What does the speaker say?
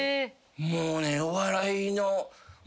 もうねお笑いの。